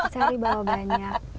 sehari bawa banyak